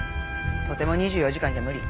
とても２４時間じゃ無理。